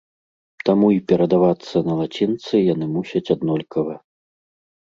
Таму і перадавацца на лацінцы яны мусяць аднолькава.